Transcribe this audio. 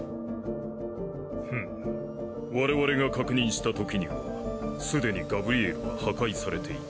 フム我々が確認したときにはすでにガブリエルは破壊されていた。